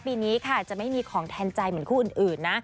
ปีนี้ค่ะจะไม่มีของแทนใจเหมือนคู่อื่นนะ